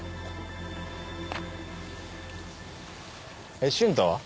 えっ瞬太は？